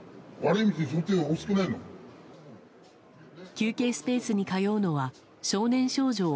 休憩スペースに通うのは少年・少女を